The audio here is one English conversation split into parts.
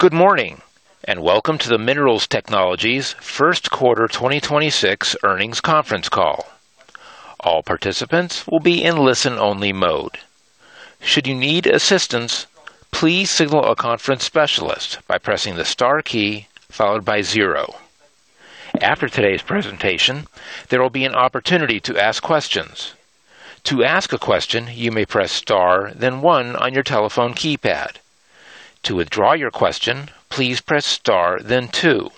Good morning, and welcome to the Minerals Technologies first quarter 2026 earnings conference call. All participants will be in listen-only mode. Should you need assistance, please signal a conference specialist by pressing the star key followed by zero. After today's presentation, there will be an opportunity to ask questions. To ask a question, you may press star then one on your telephone keypad. To withdraw your question, please press star then two.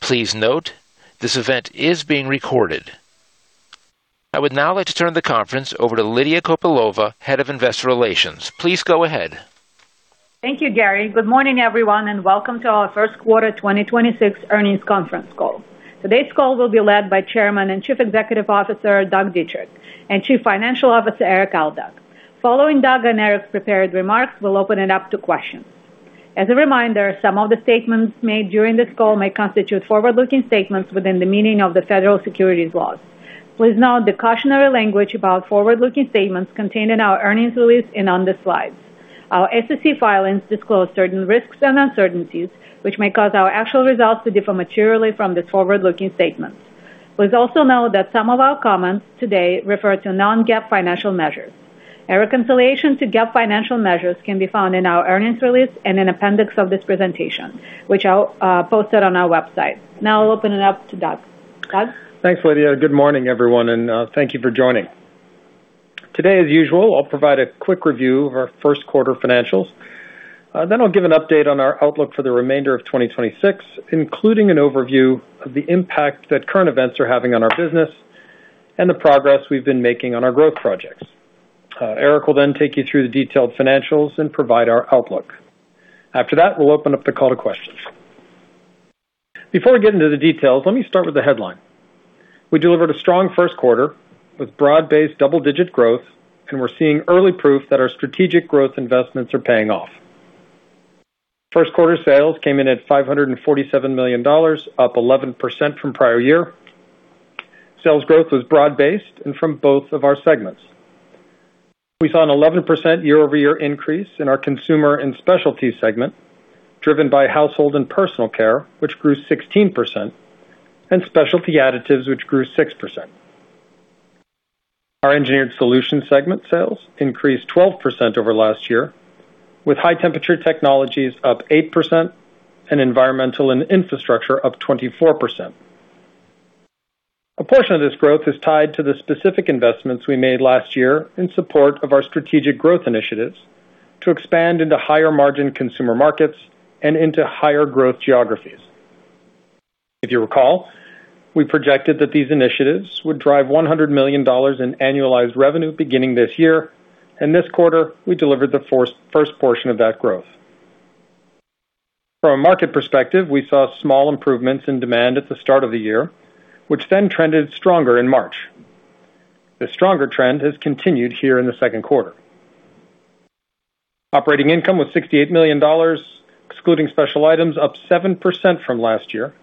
Please note, this event is being recorded. I would now like to turn the conference over to Lydia Kopylova, Head of Investor Relations. Please go ahead. Thank you, Gary. Good morning, everyone, and welcome to our first quarter 2026 earnings conference call. Today's call will be led by Chairman and Chief Executive Officer Doug Dietrich, and Chief Financial Officer Erik Aldag. Following Doug and Erik's prepared remarks, we'll open it up to questions. As a reminder, some of the statements made during this call may constitute forward-looking statements within the meaning of the federal securities laws. Please note the cautionary language about forward-looking statements contained in our earnings release and on this slide. Our SEC filings disclose certain risks and uncertainties which may cause our actual results to differ materially from these forward-looking statements. Please also note that some of our comments today refer to non-GAAP financial measures. Our reconciliation to GAAP financial measures can be found in our earnings release and in appendix of this presentation, which I'll post on our website. Now I'll open it up to Doug. Doug? Thanks, Lydia. Good morning, everyone, and thank you for joining. Today, as usual, I'll provide a quick review of our first quarter financials. I'll give an update on our outlook for the remainder of 2026, including an overview of the impact that current events are having on our business and the progress we've been making on our growth projects. Erik will then take you through the detailed financials and provide our outlook. After that, we'll open up the call to questions. Before we get into the details, let me start with the headline. We delivered a strong first quarter with broad-based double-digit growth, and we're seeing early proof that our strategic growth investments are paying off. First quarter sales came in at $547 million, up 11% from prior year. Sales growth was broad-based and from both of our segments. We saw an 11% year-over-year increase in our Consumer & Specialties segment, driven by Household & Personal Care, which grew 16%, and Specialty Additives, which grew 6%. Our Engineered Solutions segment sales increased 12% over last year, with High-Temperature Technologies up 8% and Environmental & Infrastructure up 24%. A portion of this growth is tied to the specific investments we made last year in support of our strategic growth initiatives to expand into higher margin consumer markets and into higher growth geographies. If you recall, we projected that these initiatives would drive $100 million in annualized revenue beginning this year. This quarter, we delivered the first portion of that growth. From a market perspective, we saw small improvements in demand at the start of the year, which then trended stronger in March. The stronger trend has continued here in the second quarter. Operating income was $68 million, excluding special items, up 7% from last year.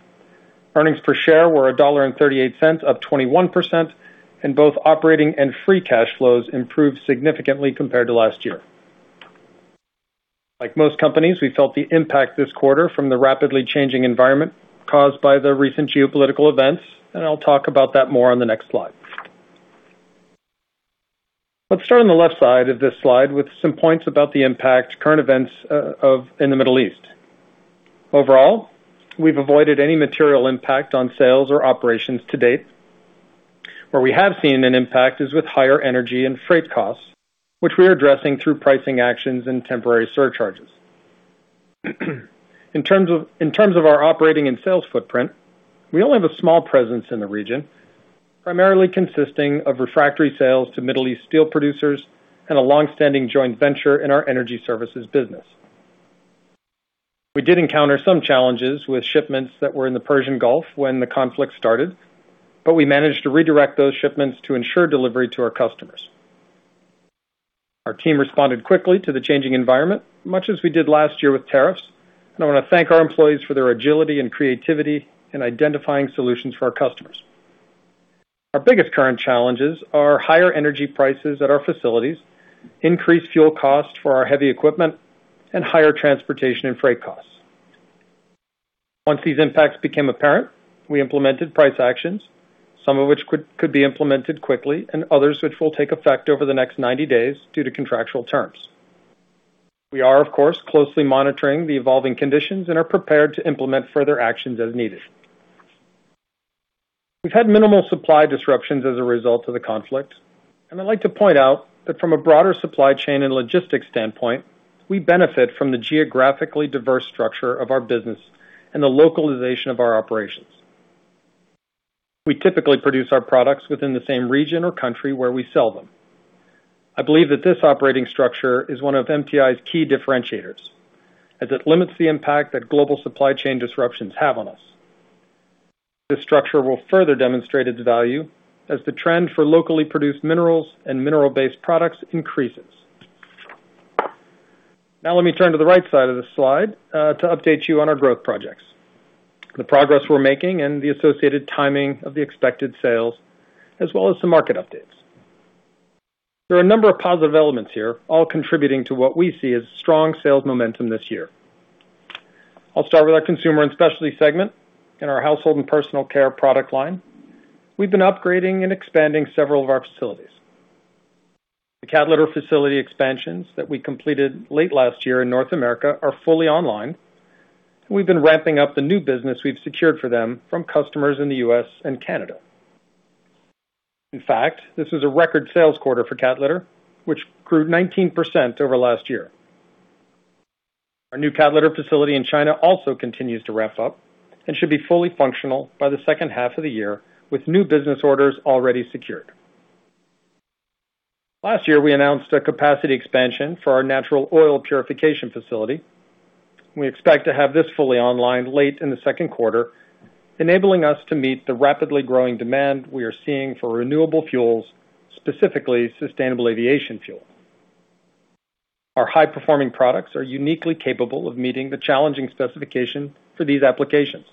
Earnings per share were $1.38, up 21%. Both operating and free cash flows improved significantly compared to last year. Like most companies, we felt the impact this quarter from the rapidly changing environment caused by the recent geopolitical events. I'll talk about that more on the next slide. Let's start on the left side of this slide with some points about the impact current events of in the Middle East. Overall, we've avoided any material impact on sales or operations to date. Where we have seen an impact is with higher energy and freight costs, which we are addressing through pricing actions and temporary surcharges. In terms of our operating and sales footprint, we only have a small presence in the region, primarily consisting of refractory sales to Middle East steel producers and a long-standing joint venture in our energy services business. We did encounter some challenges with shipments that were in the Persian Gulf when the conflict started, but we managed to redirect those shipments to ensure delivery to our customers. Our team responded quickly to the changing environment, much as we did last year with tariffs. I wanna thank our employees for their agility and creativity in identifying solutions for our customers. Our biggest current challenges are higher energy prices at our facilities, increased fuel costs for our heavy equipment, and higher transportation and freight costs. Once these impacts became apparent, we implemented price actions, some of which could be implemented quickly and others which will take effect over the next 90 days due to contractual terms. We are, of course, closely monitoring the evolving conditions and are prepared to implement further actions as needed. We've had minimal supply disruptions as a result of the conflict, and I'd like to point out that from a broader supply chain and logistics standpoint, we benefit from the geographically diverse structure of our business and the localization of our operations. We typically produce our products within the same region or country where we sell them. I believe that this operating structure is one of MTI's key differentiators, as it limits the impact that global supply chain disruptions have on us. This structure will further demonstrate its value as the trend for locally produced minerals and mineral-based products increases. Now let me turn to the right side of this slide, to update you on our growth projects, the progress we're making and the associated timing of the expected sales, as well as some market updates. There are a number of positive elements here, all contributing to what we see as strong sales momentum this year. I'll start with our Consumer & Specialties segment in our Household & Personal Care product line. We've been upgrading and expanding several of our facilities. The cat litter facility expansions that we completed late last year in North America are fully online. We've been ramping up the new business we've secured for them from customers in the U.S. and Canada. In fact, this is a record sales quarter for cat litter, which grew 19% over last year. Our new cat litter facility in China also continues to ramp up and should be fully functional by the second half of the year, with new business orders already secured. Last year, we announced a capacity expansion for our natural oil purification facility. We expect to have this fully online late in the second quarter, enabling us to meet the rapidly growing demand we are seeing for renewable fuels, specifically sustainable aviation fuel. Our high-performing products are uniquely capable of meeting the challenging specification for these applications.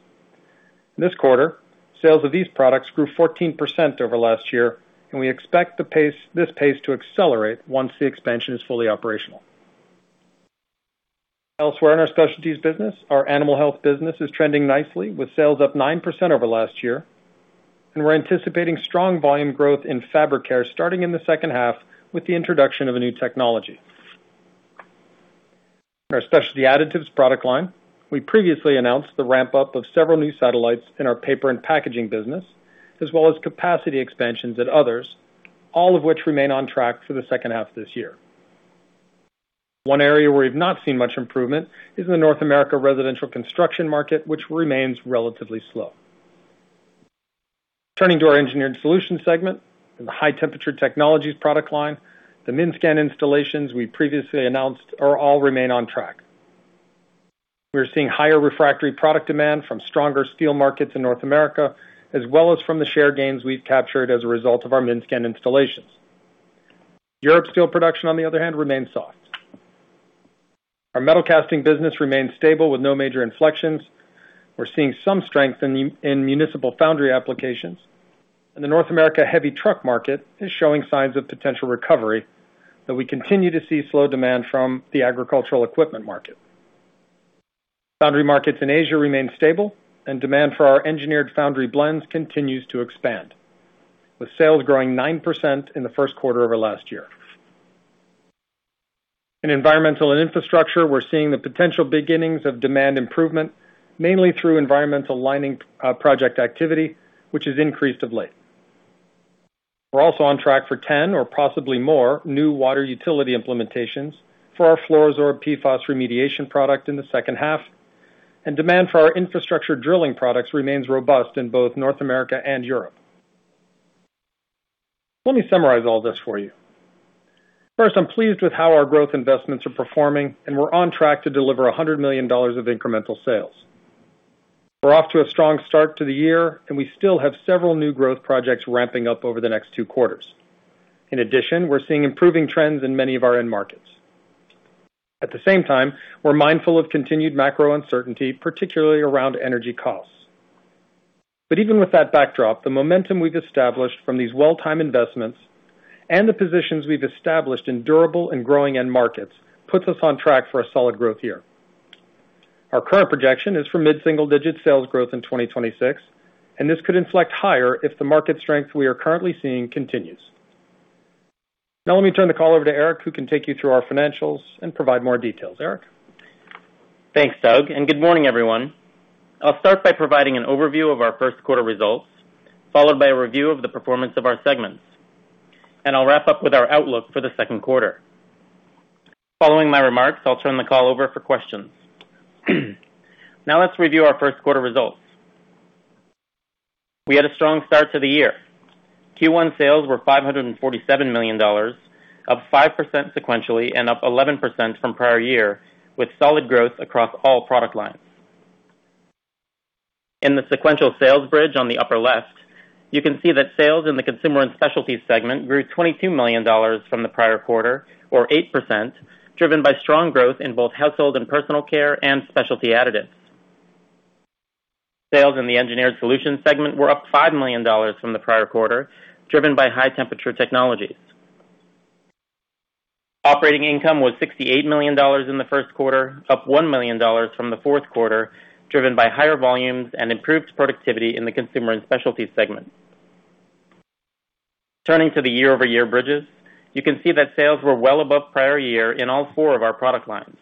This quarter, sales of these products grew 14% over last year, and we expect this pace to accelerate once the expansion is fully operational. Elsewhere in our specialties business, our animal health business is trending nicely, with sales up 9% over last year. We're anticipating strong volume growth in fabric care starting in the second half with the introduction of a new technology. Our Specialty Additives product line, we previously announced the ramp-up of several new satellites in our paper and packaging business, as well as capacity expansions at others, all of which remain on track for the second half this year. One area where we've not seen much improvement is the North America residential construction market, which remains relatively slow. Turning to our Engineered Solutions segment, in the High-Temperature Technologies product line, the MINSCAN installations we previously announced all remain on track. We're seeing higher refractory product demand from stronger steel markets in North America, as well as from the share gains we've captured as a result of our MINSCAN installations. Europe steel production, on the other hand, remains soft. Our metal casting business remains stable with no major inflections. We're seeing some strength in municipal foundry applications, and the North America heavy truck market is showing signs of potential recovery, but we continue to see slow demand from the agricultural equipment market. Foundry markets in Asia remain stable, and demand for our engineered foundry blends continues to expand, with sales growing 9% in the first quarter over last year. In Environmental & Infrastructure, we're seeing the potential beginnings of demand improvement, mainly through environmental lining, project activity, which has increased of late. We're also on track for 10 or possibly more new water utility implementations for our FLUORO-SORB PFOS remediation product in the second half, and demand for our infrastructure drilling products remains robust in both North America and Europe. Let me summarize all this for you. First, I'm pleased with how our growth investments are performing, and we're on track to deliver $100 million of incremental sales. We're off to a strong start to the year, and we still have several new growth projects ramping up over the next two quarters. In addition, we're seeing improving trends in many of our end markets. At the same time, we're mindful of continued macro uncertainty, particularly around energy costs. Even with that backdrop, the momentum we've established from these well-timed investments and the positions we've established in durable and growing end markets puts us on track for a solid growth year. Our current projection is for mid-single-digit sales growth in 2026, and this could inflect higher if the market strength we are currently seeing continues. Now let me turn the call over to Erik, who can take you through our financials and provide more details. Erik? Thanks, Doug. Good morning, everyone. I'll start by providing an overview of our first quarter results, followed by a review of the performance of our segments. I'll wrap up with our outlook for the second quarter. Following my remarks, I'll turn the call over for questions. Now let's review our first quarter results. We had a strong start to the year. Q1 sales were $547 million, up 5% sequentially and up 11% from prior year, with solid growth across all product lines. In the sequential sales bridge on the upper left, you can see that sales in the Consumer & Specialties segment grew $22 million from the prior quarter or 8%, driven by strong growth in both Household & Personal Care and Specialty Additives. Sales in the Engineered Solutions segment were up $5 million from the prior quarter, driven by High-Temperature Technologies. Operating income was $68 million in the first quarter, up $1 million from the fourth quarter, driven by higher volumes and improved productivity in the Consumer & Specialties segment. Turning to the year-over-year bridges, you can see that sales were well above prior year in all four of our product lines.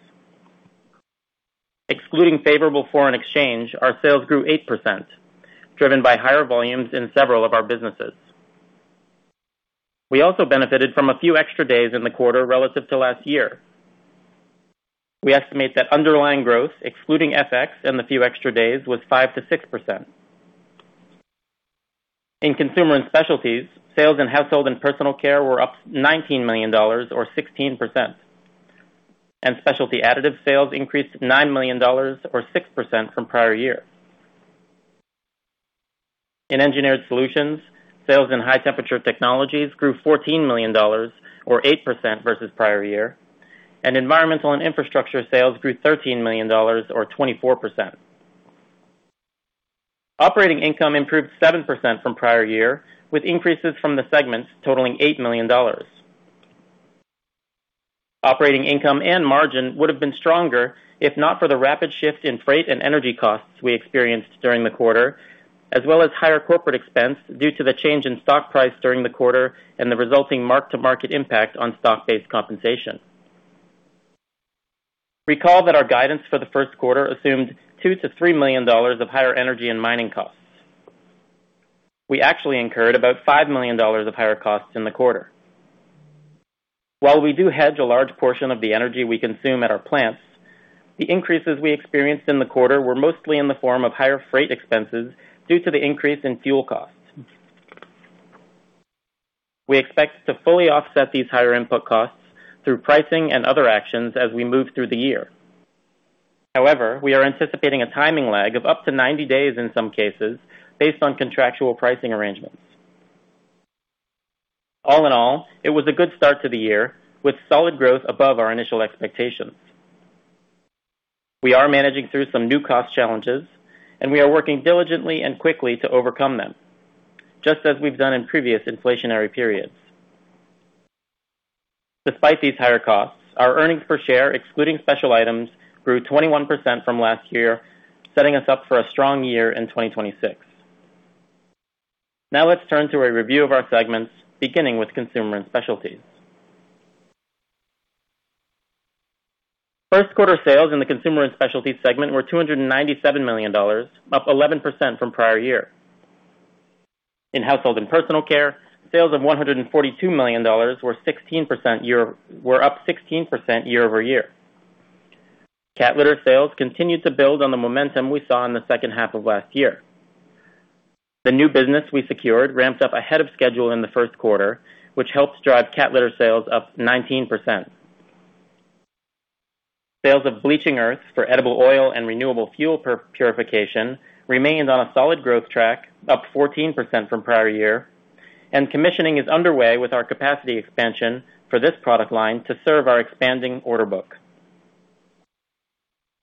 Excluding favorable foreign exchange, our sales grew 8%, driven by higher volumes in several of our businesses. We also benefited from a few extra days in the quarter relative to last year. We estimate that underlying growth, excluding FX and the few extra days, was 5%-6%. In Consumer & Specialties, sales in Household & Personal Care were up $19 million or 16%. Specialty Additives sales increased $9 million or 6% from prior year. In Engineered Solutions, sales in High-Temperature Technologies grew $14 million or 8% versus prior year, and Environmental & Infrastructure sales grew $13 million or 24%. Operating income improved 7% from prior year, with increases from the segments totaling $8 million. Operating income and margin would have been stronger if not for the rapid shift in freight and energy costs we experienced during the quarter, as well as higher corporate expense due to the change in stock price during the quarter and the resulting mark-to-market impact on stock-based compensation. Recall that our guidance for the first quarter assumed $2 million-$3 million of higher energy and mining costs. We actually incurred about $5 million of higher costs in the quarter. While we do hedge a large portion of the energy we consume at our plants, the increases we experienced in the quarter were mostly in the form of higher freight expenses due to the increase in fuel costs. We expect to fully offset these higher input costs through pricing and other actions as we move through the year. However, we are anticipating a timing lag of up to 90 days in some cases based on contractual pricing arrangements. All in all, it was a good start to the year, with solid growth above our initial expectations. We are managing through some new cost challenges, and we are working diligently and quickly to overcome them, just as we've done in previous inflationary periods. Despite these higher costs, our earnings per share, excluding special items, grew 21% from last year, setting us up for a strong year in 2026. Now let's turn to a review of our segments, beginning with Consumer & Specialties. First quarter sales in the Consumer & Specialties segment were $297 million, up 11% from prior year. In Household & Personal Care, sales of $142 million were up 16% year-over-year. Cat litter sales continued to build on the momentum we saw in the second half of last year. The new business we secured ramped up ahead of schedule in the first quarter, which helped drive cat litter sales up 19%. Sales of bleaching earth for edible oil and renewable fuel purification remains on a solid growth track, up 14% from prior year, and commissioning is underway with our capacity expansion for this product line to serve our expanding order book.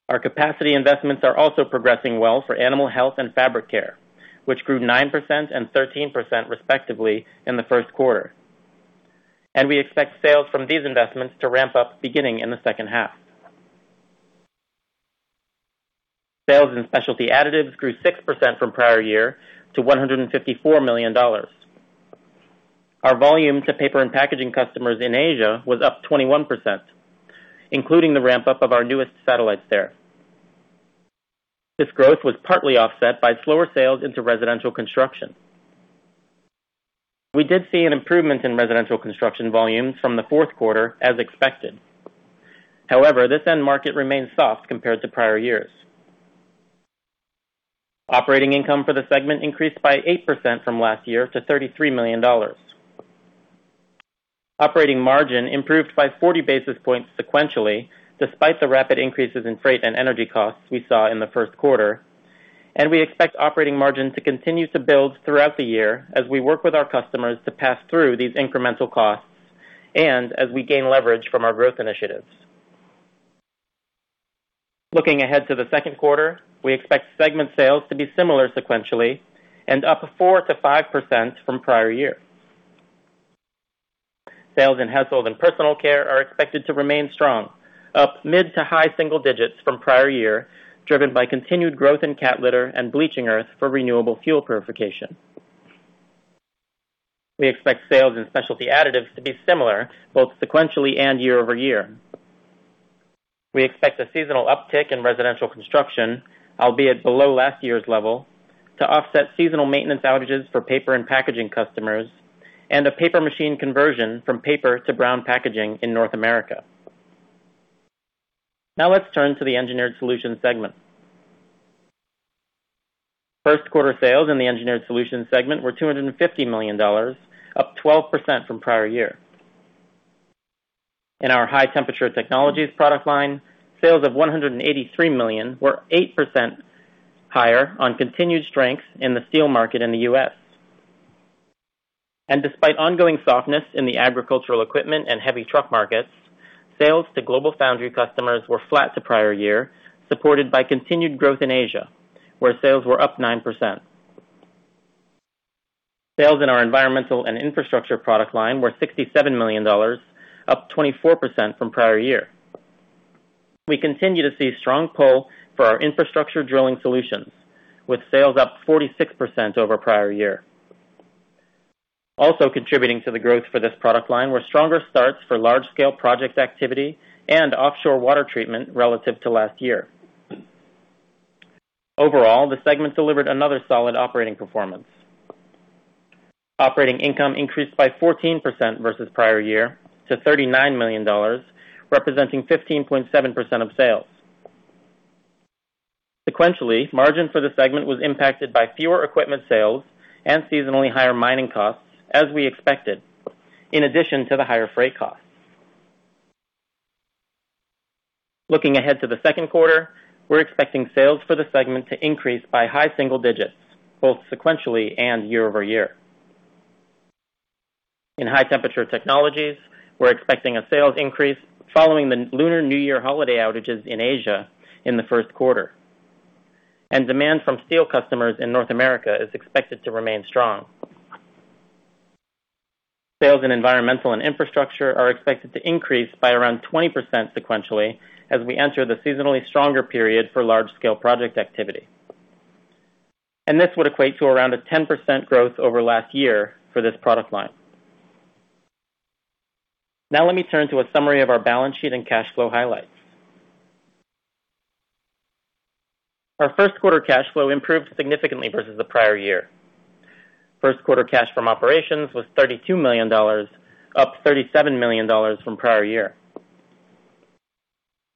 Our capacity investments are also progressing well for animal health and fabric care, which grew 9% and 13% respectively in the first quarter. We expect sales from these investments to ramp up beginning in the second half. Sales in Specialty Additives grew 6% from prior year to $154 million. Our volume to paper and packaging customers in Asia was up 21%, including the ramp-up of our newest satellites there. This growth was partly offset by slower sales into residential construction. We did see an improvement in residential construction volumes from the fourth quarter as expected. However, this end market remains soft compared to prior years. Operating income for the segment increased by 8% from last year to $33 million. Operating margin improved by 40 basis points sequentially, despite the rapid increases in freight and energy costs we saw in the first quarter, and we expect operating margin to continue to build throughout the year as we work with our customers to pass through these incremental costs and as we gain leverage from our growth initiatives. Looking ahead to the second quarter, we expect segment sales to be similar sequentially and up 4%-5% from prior year. Sales in Household & Personal Care are expected to remain strong, up mid-to-high single digits from prior year, driven by continued growth in cat litter and bleaching earth for renewable fuel purification. We expect sales in Specialty Additives to be similar both sequentially and year-over-year. We expect a seasonal uptick in residential construction, albeit below last year's level, to offset seasonal maintenance outages for paper and packaging customers and a paper machine conversion from paper to brown packaging in North America. Let's turn to the Engineered Solutions segment. First quarter sales in the Engineered Solutions segment were $250 million, up 12% from prior year. In our High-Temperature Technologies product line, sales of $183 million were 8% higher on continued strength in the steel market in the U.S. Despite ongoing softness in the agricultural equipment and heavy truck markets, sales to global foundry customers were flat to prior year, supported by continued growth in Asia, where sales were up 9%. Sales in our Environmental & Infrastructure product line were $67 million, up 24% from prior year. We continue to see strong pull for our infrastructure drilling solutions, with sales up 46% over prior year. Also contributing to the growth for this product line were stronger starts for large-scale project activity and offshore water treatment relative to last year. Overall, the segment delivered another solid operating performance. Operating income increased by 14% versus prior year to $39 million, representing 15.7% of sales. Sequentially, margin for the segment was impacted by fewer equipment sales and seasonally higher mining costs, as we expected, in addition to the higher freight costs. Looking ahead to the second quarter, we're expecting sales for the segment to increase by high single digits, both sequentially and year-over-year. In High-Temperature Technologies, we're expecting a sales increase following the Lunar New Year holiday outages in Asia in the first quarter. Demand from steel customers in North America is expected to remain strong. Sales in Environmental & Infrastructure are expected to increase by around 20% sequentially as we enter the seasonally stronger period for large-scale project activity. This would equate to around a 10% growth over last year for this product line. Now, let me turn to a summary of our balance sheet and cash flow highlights. Our first quarter cash flow improved significantly versus the prior year. First quarter cash from operations was $32 million, up $37 million from prior year.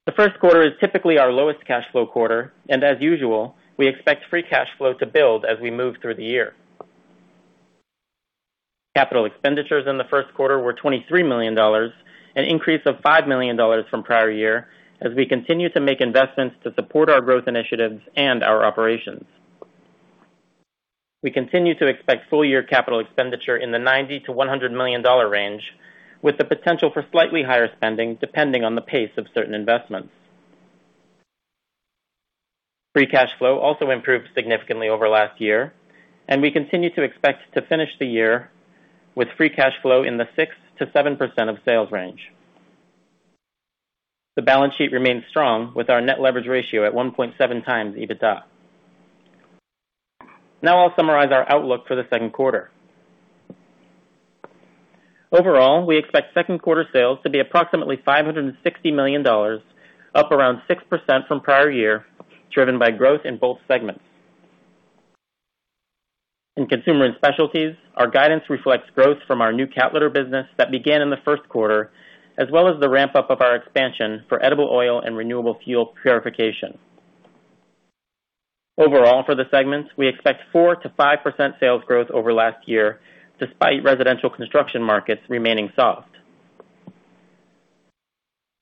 The first quarter is typically our lowest cash flow quarter, and as usual, we expect free cash flow to build as we move through the year. Capital expenditures in the first quarter were $23 million, an increase of $5 million from prior year as we continue to make investments to support our growth initiatives and our operations. We continue to expect full year capital expenditure in the $90 million-$100 million range, with the potential for slightly higher spending depending on the pace of certain investments. Free cash flow also improved significantly over last year, and we continue to expect to finish the year with free cash flow in the 6%-7% of sales range. The balance sheet remains strong with our net leverage ratio at 1.7x EBITDA. Now I'll summarize our outlook for the second quarter. Overall, we expect second quarter sales to be approximately $560 million, up around 6% from prior year, driven by growth in both segments. In Consumer & Specialties, our guidance reflects growth from our new cat litter business that began in the first quarter, as well as the ramp-up of our expansion for edible oil and renewable fuel purification. Overall, for the segments, we expect 4%-5% sales growth over last year, despite residential construction markets remaining soft.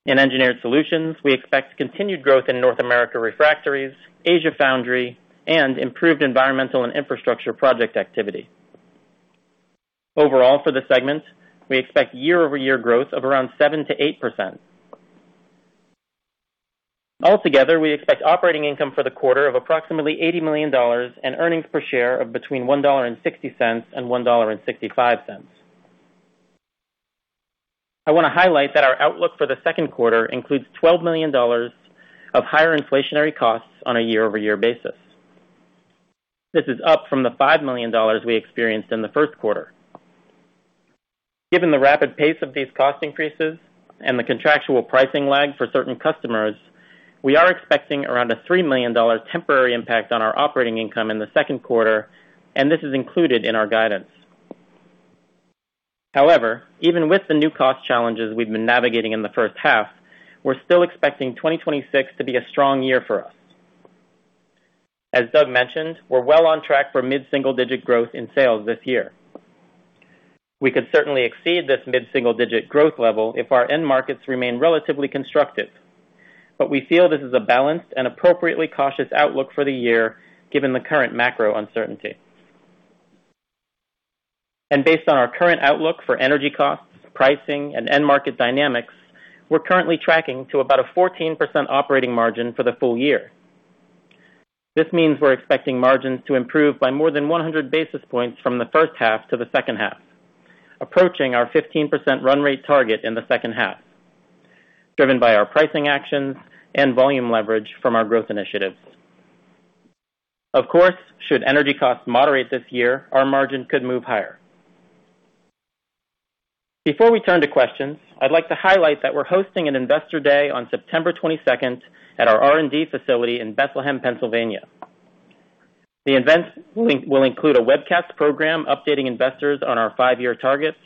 In Engineered Solutions, we expect continued growth in North America refractories, Asia foundry, and improved Environmental & Infrastructure project activity. Overall, for the segment, we expect year-over-year growth of around 7%-8%. Altogether, we expect operating income for the quarter of approximately $80 million and earnings per share of between $1.60 and $1.65. I want to highlight that our outlook for the second quarter includes $12 million of higher inflationary costs on a year-over-year basis. This is up from the $5 million we experienced in the first quarter. Given the rapid pace of these cost increases and the contractual pricing lag for certain customers, we are expecting around a $3 million temporary impact on our operating income in the second quarter, and this is included in our guidance. However, even with the new cost challenges we've been navigating in the first half, we're still expecting 2026 to be a strong year for us. As Doug mentioned, we're well on track for mid-single-digit growth in sales this year. We could certainly exceed this mid-single-digit growth level if our end markets remain relatively constructive. We feel this is a balanced and appropriately cautious outlook for the year given the current macro uncertainty. Based on our current outlook for energy costs, pricing, and end market dynamics, we're currently tracking to about a 14% operating margin for the full year. This means we're expecting margins to improve by more than 100 basis points from the first half to the second half, approaching our 15% run rate target in the second half, driven by our pricing actions and volume leverage from our growth initiatives. Of course, should energy costs moderate this year, our margin could move higher. Before we turn to questions, I'd like to highlight that we're hosting an Investor Day on September 22nd at our R&D facility in Bethlehem, Pennsylvania. The event will include a webcast program updating investors on our five-year targets,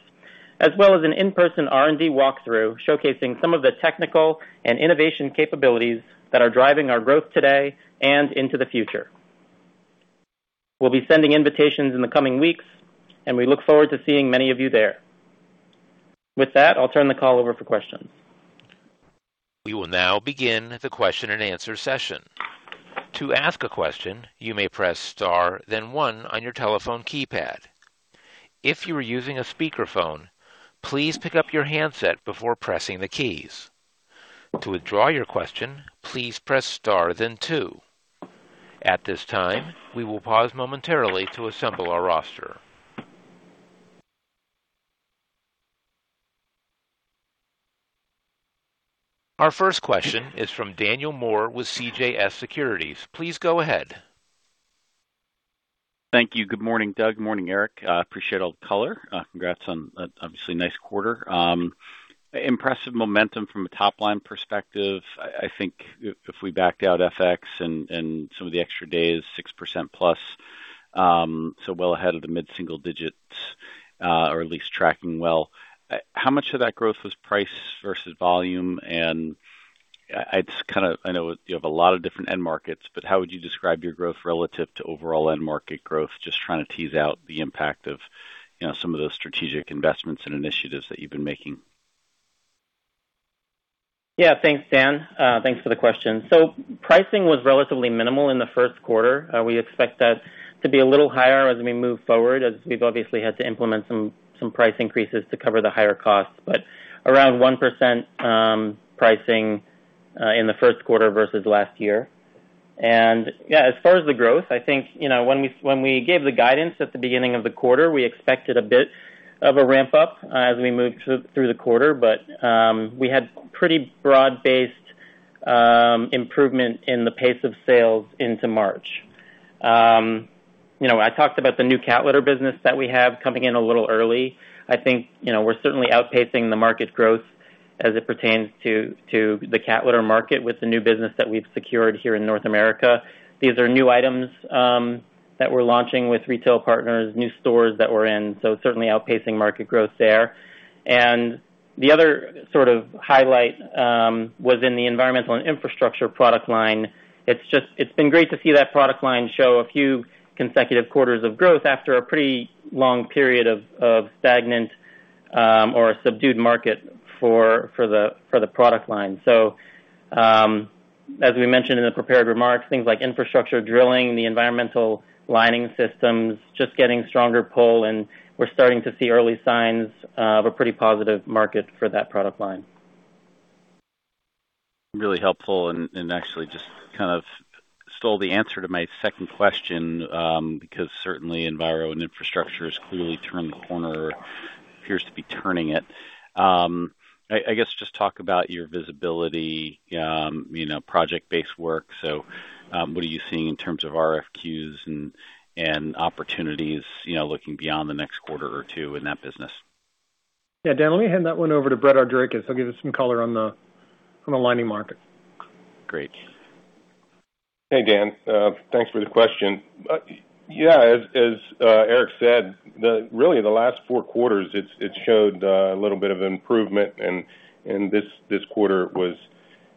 as well as an in-person R&D walkthrough showcasing some of the technical and innovation capabilities that are driving our growth today and into the future. We'll be sending invitations in the coming weeks, and we look forward to seeing many of you there. With that, I'll turn the call over for questions. We will now begin the question-and-answer session. To ask a question, you may press star then one on your telephone keypad. If you're using a speaker phone, please pick up your handset before pressing the keys. To withdraw your question, please press star then two. At this time, we will pause momentarily to assemble our roster. Our first question is from Daniel Moore with CJS Securities. Please go ahead. Thank you. Good morning, Doug. Morning, Erik. Appreciate all the color. Congrats on obviously nice quarter. Impressive momentum from a top line perspective. I think if we backed out FX and some of the extra days, 6% plus, so well ahead of the mid-single digits, or at least tracking well. How much of that growth was price versus volume? I know you have a lot of different end markets, but how would you describe your growth relative to overall end market growth? Just trying to tease out the impact of, you know, some of those strategic investments and initiatives that you've been making. Thanks, Dan. Thanks for the question. Pricing was relatively minimal in the first quarter. We expect that to be a little higher as we move forward, as we've obviously had to implement some price increases to cover the higher costs but around 1% pricing in the first quarter versus last year. As far as the growth, I think, you know, when we gave the guidance at the beginning of the quarter, we expected a bit of a ramp-up as we moved through the quarter. We had pretty broad-based improvement in the pace of sales into March. You know, I talked about the new cat litter business that we have coming in a little early. I think, you know, we're certainly outpacing the market growth as it pertains to the cat litter market with the new business that we've secured here in North America. These are new items that we're launching with retail partners, new stores that we're in, certainly outpacing market growth there. The other sort of highlight was in the Environmental & Infrastructure product line. It's been great to see that product line show a few consecutive quarters of growth after a pretty long period of stagnant or subdued market for the product line. As we mentioned in the prepared remarks, things like infrastructure drilling, the environmental lining systems, just getting stronger pull, we're starting to see early signs of a pretty positive market for that product line. Really helpful, and actually just kind of stole the answer to my second question, because certainly Environmental & Infrastructure has clearly turned the corner, appears to be turning it. I guess, just talk about your visibility, you know, project-based work. What are you seeing in terms of RFQs and opportunities, you know, looking beyond the next quarter or two in that business? Yeah. Dan, let me hand that one over to Brett Argirakis, because he'll give you some color on the, on the lining market. Great. Hey, Dan. Thanks for the question. Yeah, as Erik said, really the last four quarters it's showed a little bit of improvement. This quarter was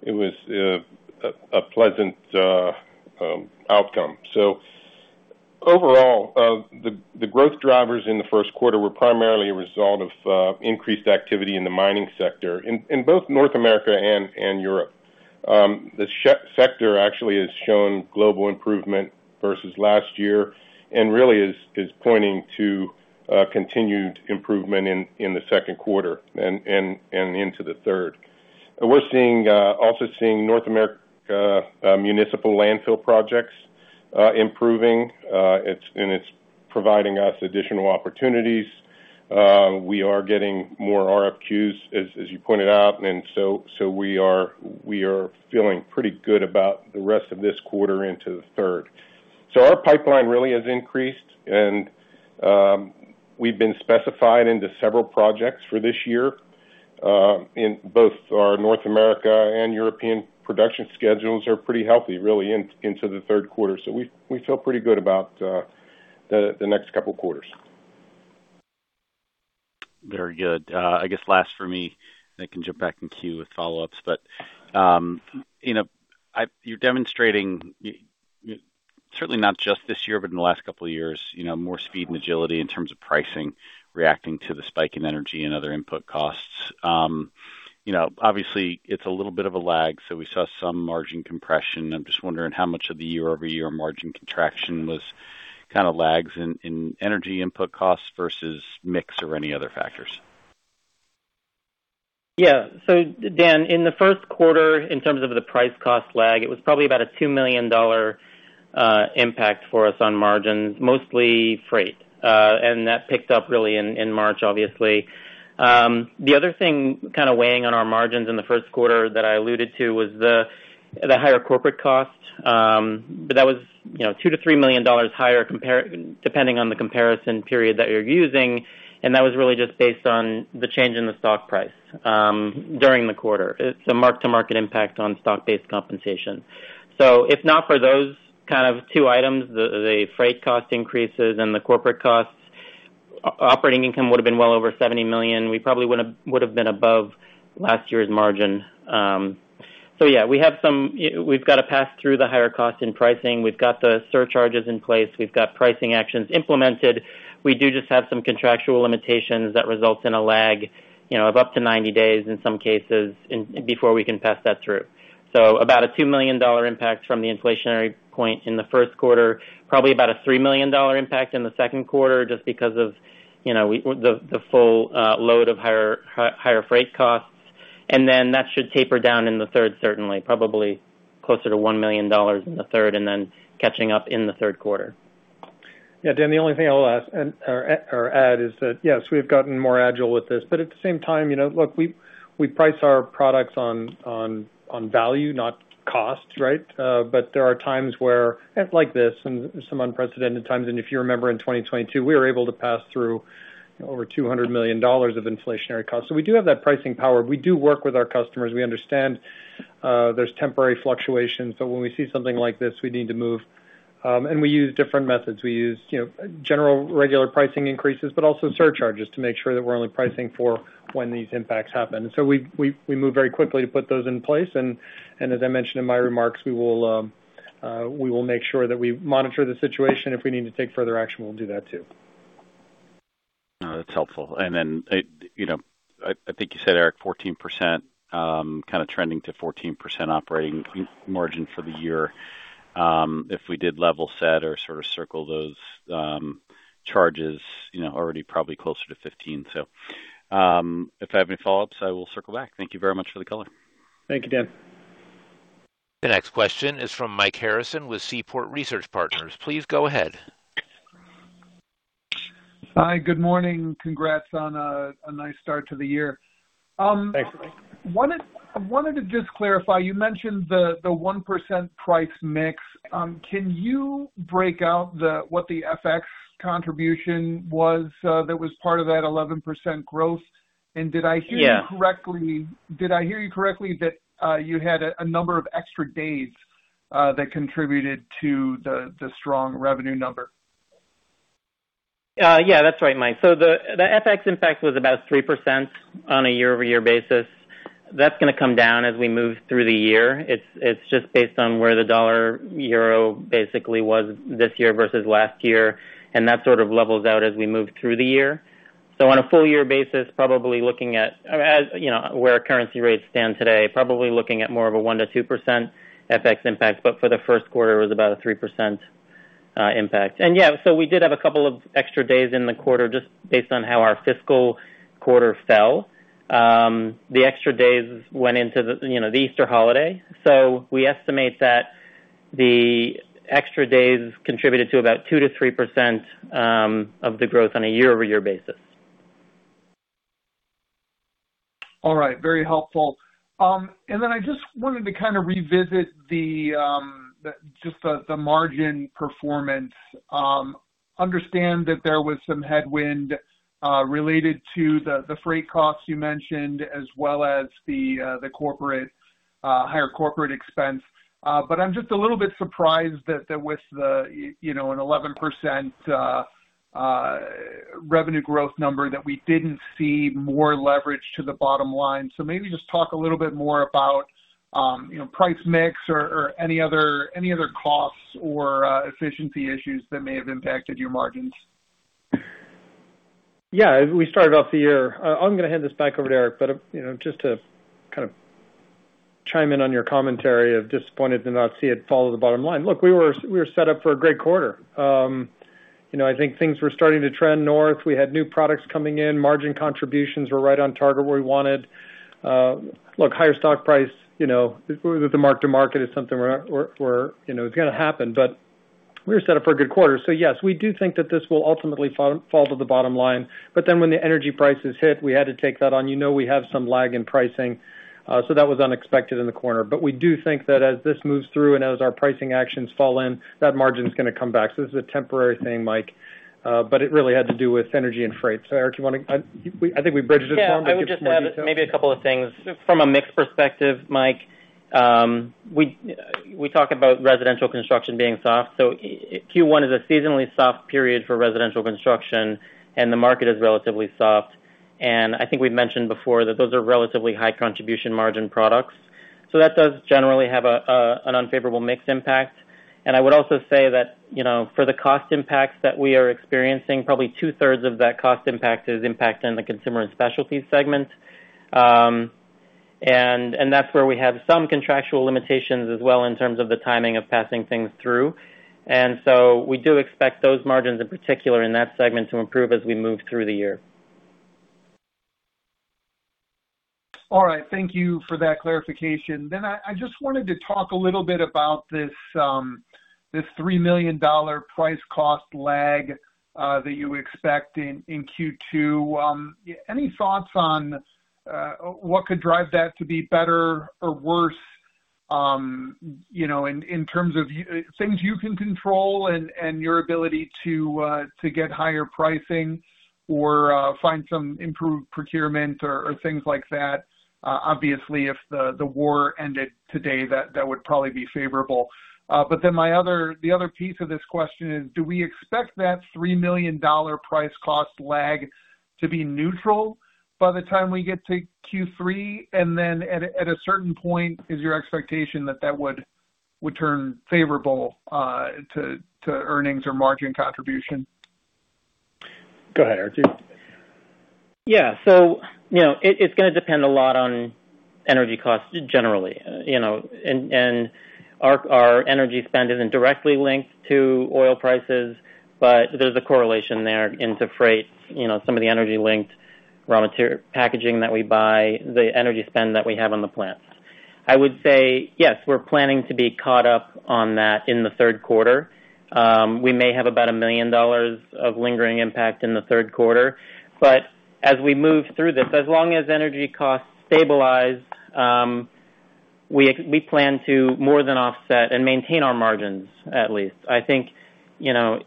a pleasant outcome. Overall, the growth drivers in the first quarter were primarily a result of increased activity in the mining sector in both North America and Europe. The sector actually has shown global improvement versus last year, and really is pointing to continued improvement in the second quarter and into the third. We're seeing also seeing North America municipal landfill projects improving. It's providing us additional opportunities. We are getting more RFQs, as you pointed out, we are feeling pretty good about the rest of this quarter into the third. Our pipeline really has increased and we've been specified into several projects for this year, in both our North America and European production schedules are pretty healthy really into the third quarter. We feel pretty good about the next couple quarters. Very good. I guess last for me, then I can jump back in queue with follow-ups. You know, you're demonstrating certainly not just this year, but in the last couple of years, you know, more speed and agility in terms of pricing, reacting to the spike in energy and other input costs. You know, obviously it's a little bit of a lag, so we saw some margin compression. I'm just wondering how much of the year-over-year margin contraction was kind of lags in energy input costs versus mix or any other factors. Yeah. Dan, in the first quarter, in terms of the price cost lag, it was probably about a $2 million impact for us on margins, mostly freight. That picked up really in March, obviously. The other thing kind of weighing on our margins in the first quarter that I alluded to was the higher corporate costs. That was, you know, $2 million-$3 million higher depending on the comparison period that you're using. That was really just based on the change in the stock price during the quarter. It's a mark-to-market impact on stock-based compensation. If not for those kind of two items, the freight cost increases and the corporate costs, operating income would've been well over $70 million. We probably would've been above last year's margin. Yeah, we have some we've got to pass through the higher cost in pricing. We've got the surcharges in place. We've got pricing actions implemented. We do just have some contractual limitations that results in a lag, you know, of up to 90 days in some cases before we can pass that through. About a $2 million impact from the inflationary point in the first quarter, probably about a $3 million impact in the second quarter just because of, you know, the full load of higher freight costs. That should taper down in the third, certainly, probably closer to $1 million in the third, catching up in the third quarter. Yeah. Daniel, the only thing I'll ask or add is that, yes, we've gotten more agile with this. At the same time, you know, look, we price our products on value, not cost, right? There are times where like this and some unprecedented times, and if you remember in 2022, we were able to pass through over $200 million of inflationary costs. We do have that pricing power. We do work with our customers. We understand there's temporary fluctuations, when we see something like this, we need to move. We use different methods. We use, you know, general regular pricing increases, also surcharges to make sure that we're only pricing for when these impacts happen. We move very quickly to put those in place. As I mentioned in my remarks, we will make sure that we monitor the situation. If we need to take further action, we'll do that too. Oh, that's helpful. You know, I think you said, Erik, 14%, trending to 14% operating margin for the year. If we did level set or sort of circle those charges, you know, already probably closer to 15. If I have any follow-ups, I will circle back. Thank you very much for the color. Thank you, Dan. The next question is from Mike Harrison with Seaport Research Partners. Please go ahead. Hi, good morning. Congrats on a nice start to the year. Thanks, Mike. I wanted to just clarify, you mentioned the 1% price mix. Can you break out what the FX contribution was that was part of that 11% growth? Did I hear you? Yeah. Did I hear you correctly that you had a number of extra days that contributed to the strong revenue number? That's right, Mike. The FX impact was about 3% on a year-over-year basis. That's gonna come down as we move through the year. It's, it's just based on where the dollar euro basically was this year versus last year, and that sort of levels out as we move through the year. On a full year basis, probably looking at, as, you know, where currency rates stand today, probably looking at more of a 1%-2% FX impact, but for the first quarter, it was about a 3% impact. We did have a couple of extra days in the quarter just based on how our fiscal quarter fell. The extra days went into the, you know, the Easter holiday. We estimate that the extra days contributed to about 2%-3% of the growth on a year-over-year basis. All right. Very helpful. Then I just wanted to revisit just the margin performance. Understand that there was some headwind related to the freight costs you mentioned, as well as the higher corporate expense. I'm just a little bit surprised that with the, you know, an 11% revenue growth number that we didn't see more leverage to the bottom line. Maybe just talk a little bit more about, you know, price mix or any other, any other costs or efficiency issues that may have impacted your margins. As we started off the year, I'm gonna hand this back over to Erik, but, you know, just to kind of chime in on your commentary of disappointed to not see it fall to the bottom line. Look, we were set up for a great quarter. You know, I think things were starting to trend north. We had new products coming in. Margin contributions were right on target where we wanted. Look, higher stock price, you know, with the mark-to-market is something we're, you know, it's gonna happen, but we were set up for a good quarter. Yes, we do think that this will ultimately fall to the bottom line. When the energy prices hit, we had to take that on. You know, we have some lag in pricing, that was unexpected in the quarter. We do think that as this moves through and as our pricing actions fall in, that margin's gonna come back. This is a temporary thing, Mike. It really had to do with energy and freight. Erik, do you wanna. I think we've bridged it for him. I think it's more details. Yeah. I would just add maybe a couple of things. From a mix perspective, Mike, we talked about residential construction being soft. Q1 is a seasonally soft period for residential construction, and the market is relatively soft. I think we've mentioned before that those are relatively high contribution margin products. That does generally have an unfavorable mix impact. I would also say that, you know, for the cost impacts that we are experiencing, probably two-thirds of that cost impact is impact on the Consumer & Specialties segment. That's where we have some contractual limitations as well in terms of the timing of passing things through. We do expect those margins in particular in that segment to improve as we move through the year. All right. Thank you for that clarification. I just wanted to talk a little bit about this $3 million price cost lag that you expect in Q2. Any thoughts on what could drive that to be better or worse, you know, in terms of things you can control and your ability to get higher pricing or find some improved procurement or things like that? Obviously, if the war ended today, that would probably be favorable. The other piece of this question is, do we expect that $3 million price cost lag to be neutral by the time we get to Q3? At a certain point, is your expectation that that would turn favorable to earnings or margin contribution? Go ahead, Erik. Yeah. You know, it's gonna depend a lot on energy costs generally. You know, and our energy spend isn't directly linked to oil prices, but there's a correlation there into freight. You know, some of the energy-linked raw packaging that we buy, the energy spend that we have on the plants. I would say, yes, we're planning to be caught up on that in the third quarter. We may have about $1 million of lingering impact in the third quarter. As we move through this, as long as energy costs stabilize, we plan to more than offset and maintain our margins, at least. I think, you know,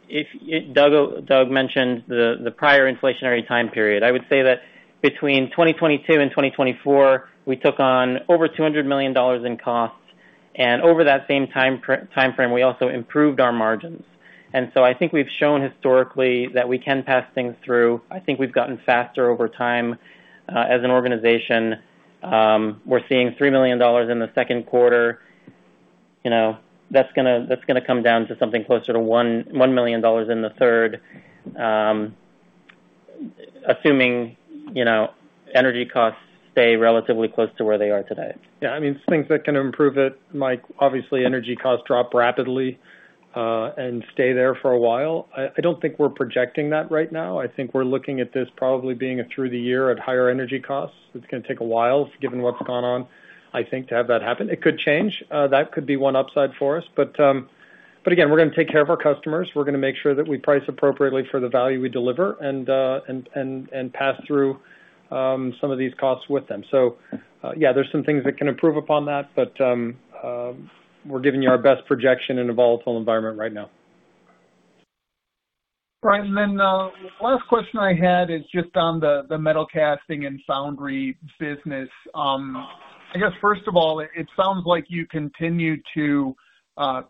Doug mentioned the prior inflationary time period. I would say that between 2022 and 2024, we took on over $200 million in costs, and over that same timeframe, we also improved our margins. I think we've shown historically that we can pass things through. I think we've gotten faster over time, as an organization. We're seeing $3 million in the second quarter. You know, that's gonna come down to something closer to $1 million in the third, assuming, you know, energy costs stay relatively close to where they are today. I mean, things that can improve it, Mike, obviously, energy costs drop rapidly and stay there for a while. I don't think we're projecting that right now. I think we're looking at this probably being through the year at higher energy costs. It's gonna take a while, given what's gone on, I think, to have that happen. It could change. That could be one upside for us. Again, we're gonna take care of our customers. We're gonna make sure that we price appropriately for the value we deliver and pass through some of these costs with them. There's some things that can improve upon that, we're giving you our best projection in a volatile environment right now. Right. Then, last question I had is just on the metal casting and foundry business. I guess first of all, it sounds like you continue to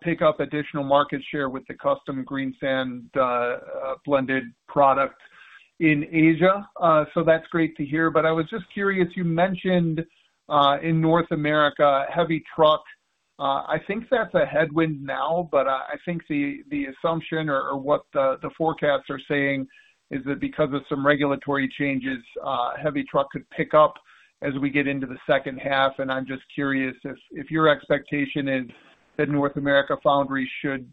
pick up additional market share with the custom green sand blended product in Asia. That's great to hear. I was just curious, you mentioned in North America, heavy truck, I think that's a headwind now, but I think the assumption or what the forecasts are saying is that because of some regulatory changes, heavy truck could pick up as we get into the second half. I'm just curious if your expectation is that North America foundry should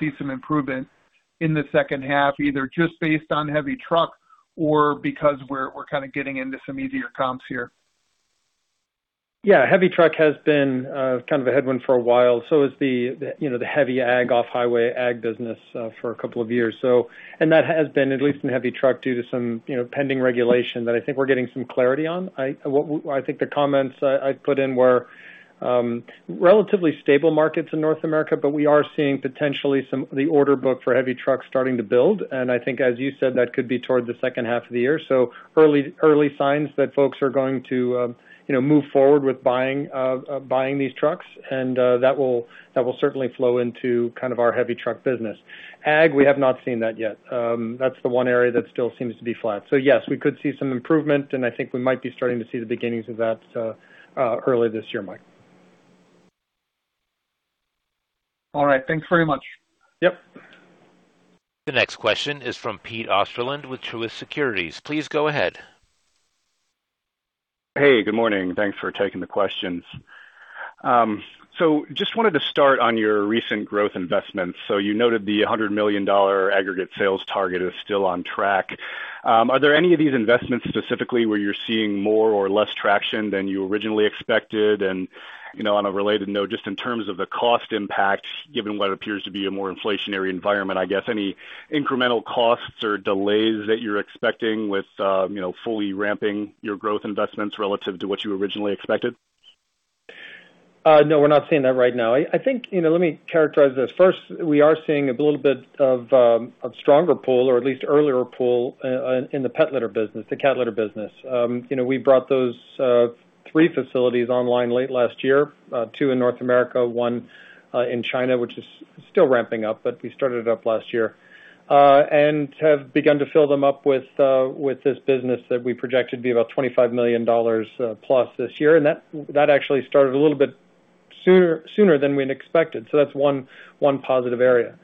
see some improvement in the second half, either just based on heavy truck or because we're kinda getting into some easier comps here. Heavy truck has been kind of a headwind for a while. Has the, you know, the heavy off-highway ag business for a couple of years. That has been at least in heavy truck due to some, you know, pending regulation that I think we're getting some clarity on. I think the comments I put in were relatively stable markets in North America, but we are seeing potentially some the order book for heavy trucks starting to build. I think as you said, that could be towards the second half of the year. Early, early signs that folks are going to, you know, move forward with buying these trucks, and that will certainly flow into kind of our heavy truck business. Ag, we have not seen that yet. That's the one area that still seems to be flat. Yes, we could see some improvement, and I think we might be starting to see the beginnings of that early this year, Mike. All right. Thanks very much. Yep. The next question is from Peter Osterland with Truist Securities. Please go ahead. Hey, good morning. Thanks for taking the questions. Just wanted to start on your recent growth investments. You noted the $100 million aggregate sales target is still on track. Are there any of these investments specifically where you're seeing more or less traction than you originally expected? You know, on a related note, just in terms of the cost impact, given what appears to be a more inflationary environment, I guess any incremental costs or delays that you're expecting with, you know, fully ramping your growth investments relative to what you originally expected? No, we're not seeing that right now. I think, you know, let me characterize this. First, we are seeing a little bit of a stronger pull or at least earlier pull in the pet litter business, the cat litter business. You know, we brought those three facilities online late last year, two in North America, one in China, which is still ramping up, but we started it up last year. And have begun to fill them up with this business that we project it to be about $25 million+ this year. That actually started a little bit sooner than we'd expected. That's one positive area.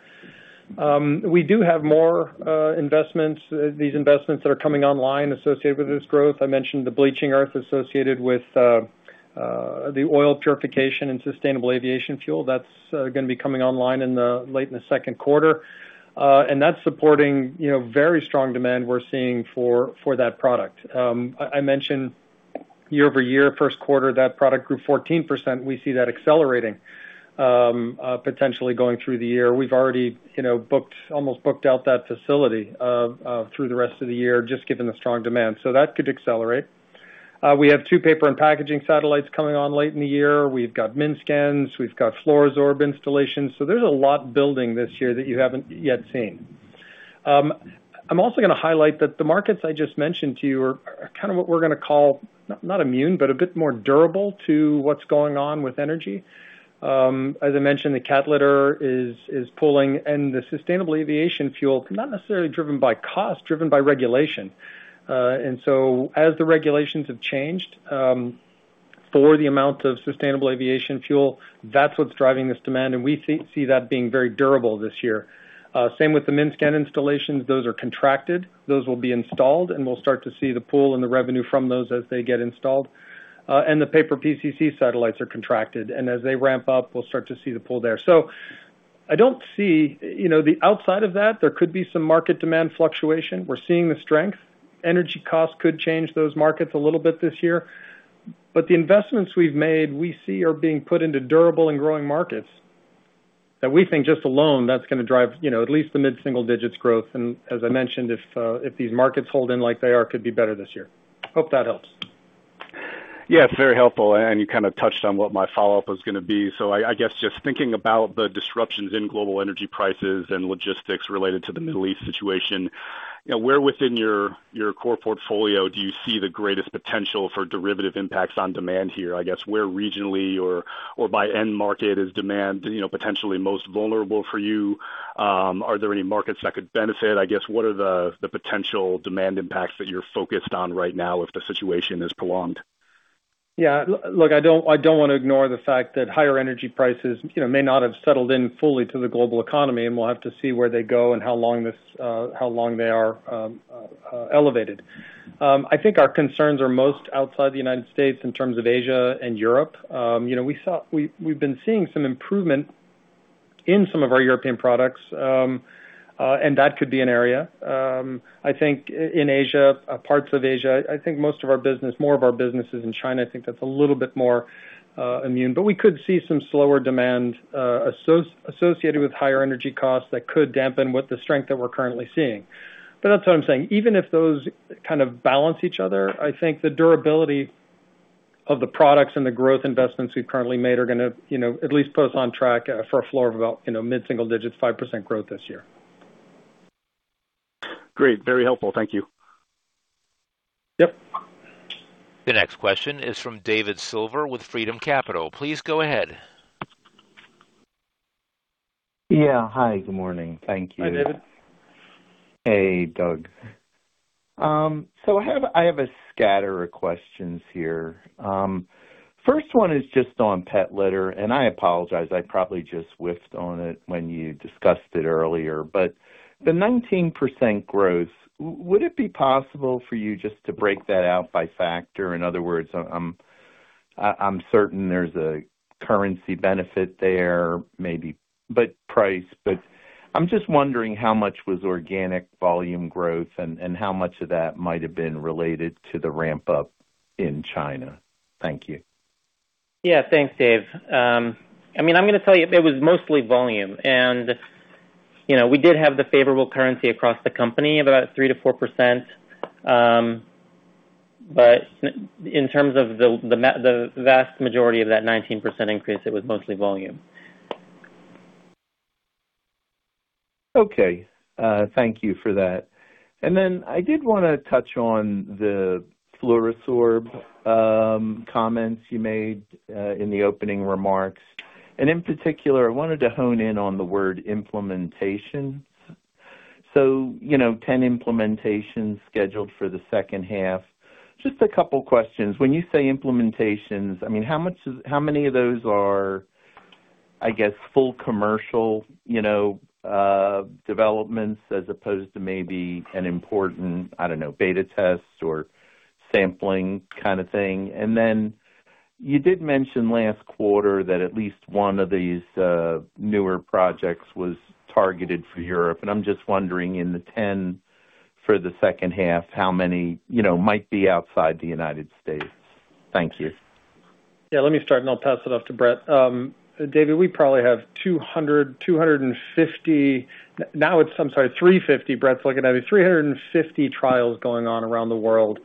We do have more investments. These investments that are coming online associated with this growth. I mentioned the bleaching earth associated with the oil purification and sustainable aviation fuel. That's gonna be coming online in the late in the second quarter. That's supporting, you know, very strong demand we're seeing for that product. I mentioned year-over-year, first quarter, that product grew 14%. We see that accelerating potentially going through the year. We've already, you know, almost booked out that facility through the rest of the year, just given the strong demand. That could accelerate. We have two paper and packaging satellites coming on late in the year. We've got MINSCANs, we've got FLUORO-SORB installations. There's a lot building this year that you haven't yet seen. I'm also gonna highlight that the markets I just mentioned to you are kind of what we're gonna call not immune, but a bit more durable to what's going on with energy. As I mentioned, the cat litter is pulling and the sustainable aviation fuel, not necessarily driven by cost, driven by regulation. As the regulations have changed, for the amount of sustainable aviation fuel, that's what's driving this demand, and we see that being very durable this year. Same with the MINSCAN installations. Those are contracted. Those will be installed, and we'll start to see the pull and the revenue from those as they get installed. The paper PCC satellites are contracted, and as they ramp up, we'll start to see the pull there. I don't see. You know, the outside of that, there could be some market demand fluctuation. We're seeing the strength. Energy costs could change those markets a little bit this year. The investments we've made, we see are being put into durable and growing markets that we think just alone, that's gonna drive, you know, at least the mid-single digits growth. As I mentioned, if these markets hold in like they are, could be better this year. Hope that helps. Yeah, it's very helpful. You kind of touched on what my follow-up was gonna be. I guess just thinking about the disruptions in global energy prices and logistics related to the Middle East situation, you know, where within your core portfolio do you see the greatest potential for derivative impacts on demand here? I guess, where regionally or by end market is demand, you know, potentially most vulnerable for you? Are there any markets that could benefit? I guess, what are the potential demand impacts that you're focused on right now if the situation is prolonged? Yeah. Look, I don't, I don't wanna ignore the fact that higher energy prices, you know, may not have settled in fully to the global economy, and we'll have to see where they go and how long they are elevated. I think our concerns are most outside the United States in terms of Asia and Europe. You know, we've been seeing some improvement in some of our European products, and that could be an area. I think in Asia, parts of Asia, I think most of our business, more of our businesses in China, I think that's a little bit more immune. We could see some slower demand associated with higher energy costs that could dampen with the strength that we're currently seeing. That's what I'm saying. Even if those kind of balance each other, I think the durability of the products and the growth investments we've currently made are gonna, you know, at least put us on track, for a floor of about, you know, mid-single digits, 5% growth this year. Great. Very helpful. Thank you. Yep. The next question is from David Silver with Freedom Capital. Please go ahead. Yeah. Hi, good morning. Thank you. Hi, David. Hey, Doug. I have a scatter of questions here. First one is just on pet litter, and I apologize, I probably just whiffed on it when you discussed it earlier. The 19% growth, would it be possible for you just to break that out by factor? In other words, I'm certain there's a currency benefit there, maybe, but price. I'm just wondering how much was organic volume growth and how much of that might have been related to the ramp-up in China. Thank you. Yeah. Thanks, David. I mean, I'm gonna tell you it was mostly volume. You know, we did have the favorable currency across the company of about 3%-4%, in terms of the vast majority of that 19% increase, it was mostly volume. Okay. Thank you for that. I did wanna touch on the FLUORO-SORB comments you made in the opening remarks. In particular, I wanted to hone in on the word implementation. You know, 10 implementations scheduled for the second half. A couple questions. When you say implementations, I mean, how many of those are, I guess, full commercial, you know, developments as opposed to maybe an important, I don't know, beta test or sampling kind of thing? You did mention last quarter that at least one of these newer projects was targeted for Europe. I'm just wondering, in the 10 for the second half, how many, you know, might be outside the United States? Thank you. Yeah, let me start, and I'll pass it off to Brett. David, we probably have 250. Now it's, I'm sorry, 350. Brett's looking at me. 350 trials going on around the world.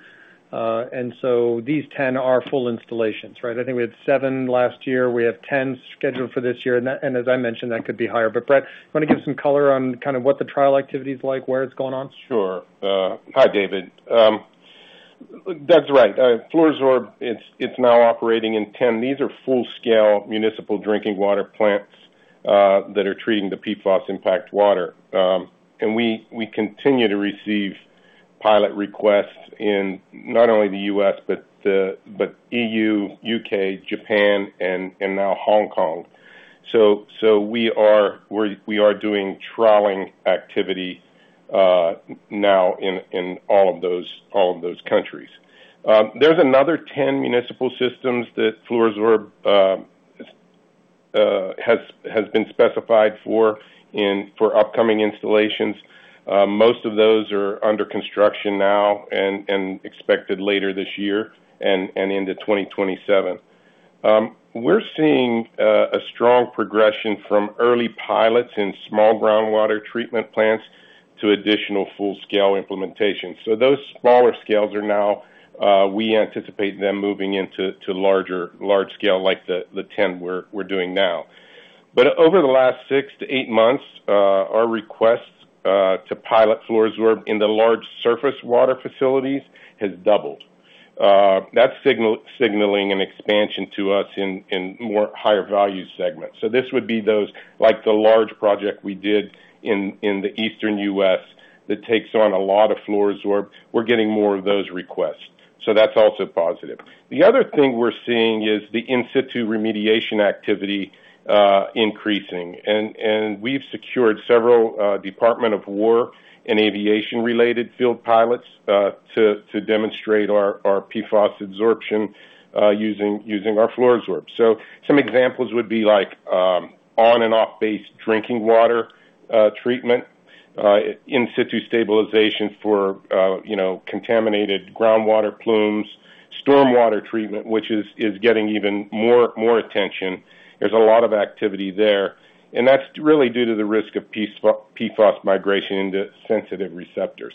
These 10 are full installations, right? I think we had seven last year. We have 10 scheduled for this year. As I mentioned, that could be higher. Brett, you wanna give some color on kind of what the trial activity is like, where it's going on? Sure. Hi, David. Doug's right. FLUORO-SORB, it's now operating in 10. These are full-scale municipal drinking water plants that are treating the PFOS impact water. We continue to receive pilot requests in not only the U.S., but E.U., U.K., Japan, and now Hong Kong. We are doing trialing activity now in all of those countries. There's another 10 municipal systems that FLUORO-SORB has been specified for upcoming installations. Most of those are under construction now and expected later this year and into 2027. We're seeing a strong progression from early pilots in small groundwater treatment plants to additional full-scale implementation. Those smaller scales are now, we anticipate them moving into, to larger, large scale like the 10 we're doing now. Over the last six to eight months, our requests to pilot FLUORO-SORB in the large surface water facilities has doubled. That's signaling an expansion to us in more higher value segments. This would be those, like the large project we did in the Eastern U.S. that takes on a lot of FLUORO-SORB. We're getting more of those requests. That's also positive. The other thing we're seeing is the In-situ remediation activity increasing. And we've secured several Department of War and aviation-related field pilots to demonstrate our PFOS absorption using our FLUORO-SORB. Some examples would be like, on and off-base drinking water treatment, In-situ stabilization for, you know, contaminated groundwater plumes. Stormwater treatment, which is getting even more attention. There's a lot of activity there, and that's really due to the risk of PFOS migration into sensitive receptors.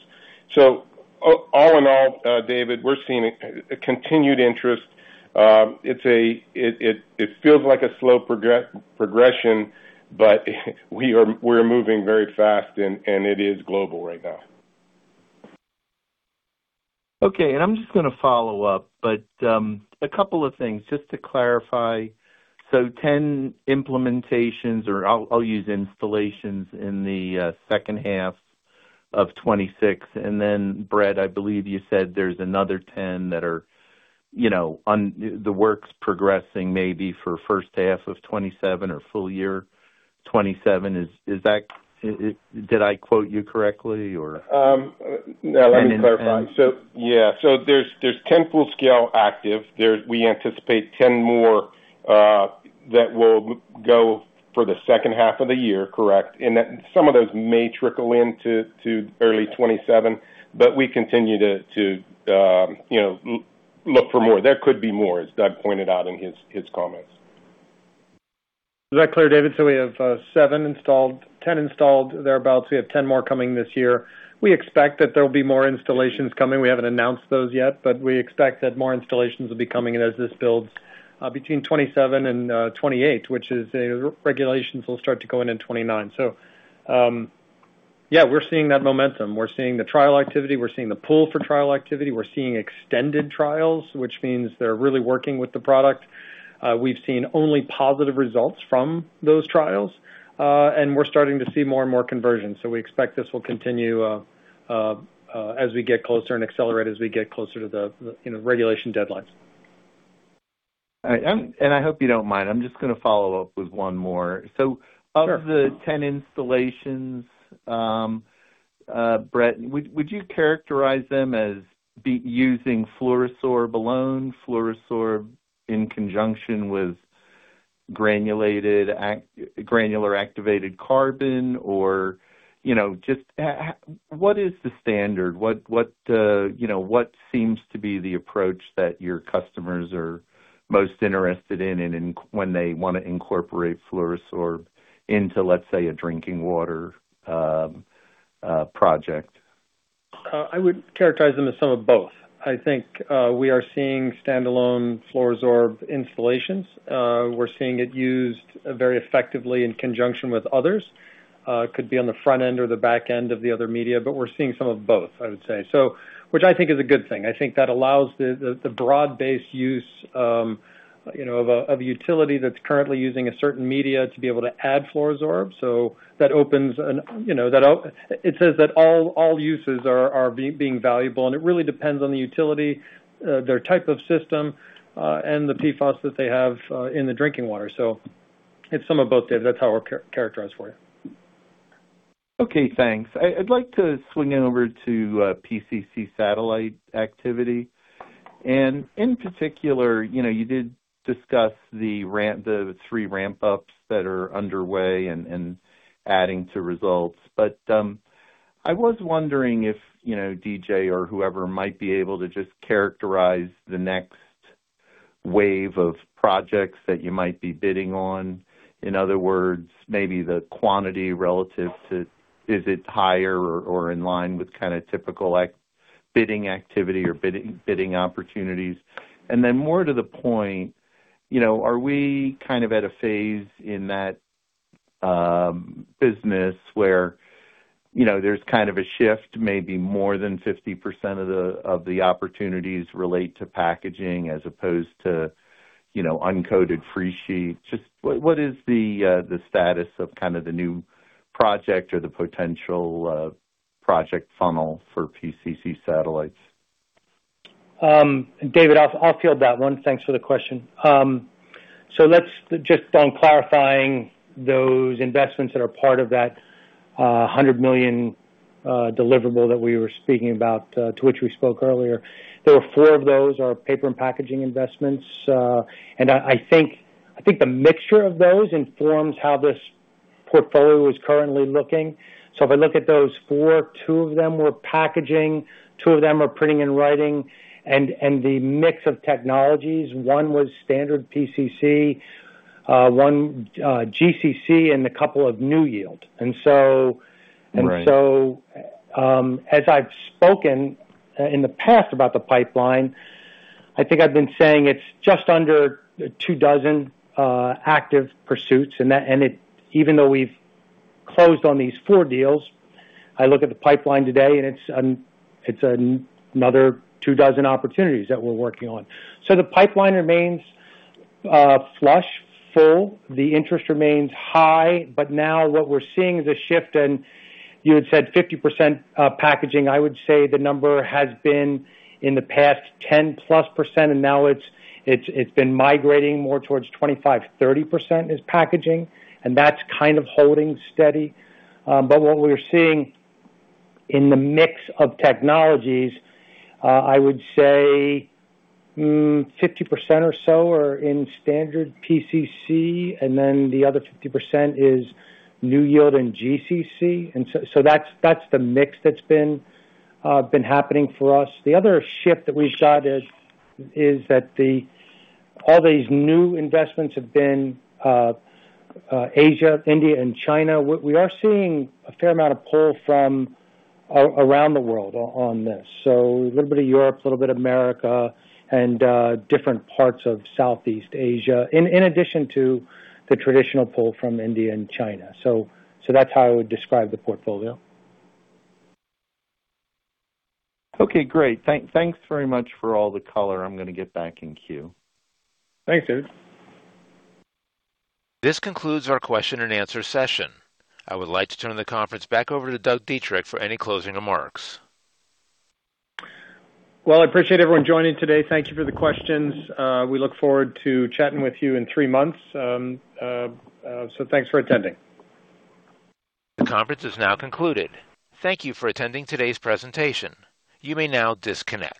All in all, David, we're seeing a continued interest. It feels like a slow progression, but we are, we're moving very fast and it is global right now. Okay. I'm just gonna follow up. A couple of things just to clarify. 10 implementations, or I'll use installations in the second half of 2026. Brett, I believe you said there's another 10 that are, you know, the work's progressing maybe for first half of 2027 or full year 2027. Is that, did I quote you correctly or? No, let me clarify. And then... Yeah. There's 10 full scale active. We anticipate 10 more that will go for the second half of the year, correct. That some of those may trickle into early 2027, but we continue to, you know, look for more. There could be more, as Doug pointed out in his comments. Is that clear, David? We have seven installed, 10 installed there about, we have 10 more coming this year. We expect that there will be more installations coming. We haven't announced those yet, but we expect that more installations will be coming in as this builds between 2027 and 2028, which is regulations will start to go in in 2029. Yeah, we're seeing that momentum. We're seeing the trial activity. We're seeing the pull for trial activity. We're seeing extended trials, which means they're really working with the product. We've seen only positive results from those trials. And we're starting to see more and more conversions. We expect this will continue as we get closer and accelerate as we get closer to the, you know, regulation deadlines. All right. I hope you don't mind, I'm just gonna follow up with one more. Sure. Of the 10 installations, Brett, would you characterize them as using FLUORO-SORB alone, FLUORO-SORB in conjunction with granular activated carbon? Or, you know, what is the standard? What, you know, what seems to be the approach that your customers are most interested in when they wanna incorporate FLUORO-SORB into, let's say, a drinking water project? I would characterize them as some of both. I think we are seeing standalone FLUORO-SORB installations. We're seeing it used very effectively in conjunction with others. Could be on the front end or the back end of the other media, but we're seeing some of both, I would say. Which I think is a good thing. I think that allows the broad-based use, you know, of a utility that's currently using a certain media to be able to add FLUORO-SORB. It says that all uses are being valuable, and it really depends on the utility, their type of system, and the PFAS that they have in the drinking water. It's some of both, David. That's how I characterize for you. Okay, thanks. I'd like to swing it over to PCC satellite activity. In particular, you know, you did discuss the three ramp ups that are underway and adding to results. I was wondering if, you know, D.J. or whoever might be able to just characterize the next wave of projects that you might be bidding on. In other words, maybe the quantity relative to is it higher or in line with kinda typical bidding activity or bidding opportunities. Then more to the point, you know, are we kind of at a phase in that business where, you know, there's kind of a shift, maybe more than 50% of the opportunities relate to packaging as opposed to, you know, uncoated free sheets? Just what is the status of kinda the new project or the potential project funnel for PCC satellites? David, I'll field that one. Thanks for the question. Let's just on clarifying those investments that are part of that $100 million deliverable that we were speaking about, to which we spoke earlier. There were four of those are paper and packaging investments. I think the mixture of those informs how this portfolio is currently looking. If I look at those four or two of them were packaging, two of them are printing and writing. The mix of technologies, one was standard PCC, one GCC, and a couple of NewYield. Right. As I've spoken in the past about the pipeline, I think I've been saying it's just under two dozen active pursuits. Even though we've closed on these four deals, I look at the pipeline today and it's another two dozen opportunities that we're working on. The pipeline remains flush, full. The interest remains high. What we're seeing is a shift in, you had said 50% packaging. I would say the number has been in the past 10%+, now it's been migrating more towards 25%,30% is packaging, and that's kind of holding steady. What we're seeing in the mix of technologies, I would say 50% or so are in standard PCC, then the other 50% is NewYield and GCC. That's the mix that's been happening for us. The other shift that we've got is that all these new investments have been Asia, India, and China. We are seeing a fair amount of pull from around the world on this. A little bit of Europe, a little America, and different parts of Southeast Asia, in addition to the traditional pull from India and China. That's how I would describe the portfolio. Okay, great. Thanks very much for all the color. I'm gonna get back in queue. Thanks, David. This concludes our question and answer session. I would like to turn the conference back over to Doug Dietrich for any closing remarks. Well, I appreciate everyone joining today. Thank you for the questions. We look forward to chatting with you in three months. Thanks for attending. The conference is now concluded. Thank you for attending today's presentation. You may now disconnect.